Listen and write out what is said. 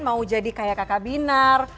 mau jadi kayak kakak binar